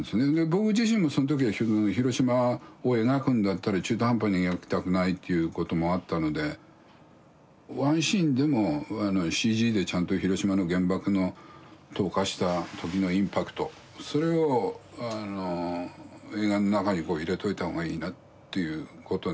僕自身もその時は広島を描くんだったら中途半端に描きたくないということもあったのでワンシーンでもＣＧでちゃんと広島の原爆の投下した時のインパクトそれを映画の中に入れといた方がいいなということになって。